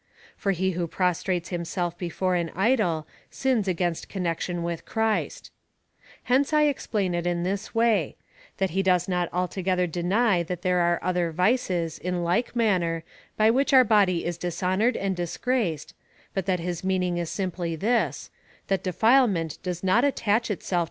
For he who prostrates himself before an idol, sins against connection with Christ. Hence I explain it in this way, that he does not altogether deny that there are other vices, in like manner, by which our body is dishonoured and disgraced, but that his mean ing is simply this — that defilement does not attach itself to it is probable, to the figure of speech called by Quinctilian (viii.